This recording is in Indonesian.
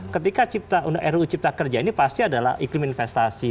ketika ruu cipta kerja ini pasti adalah iklim investasi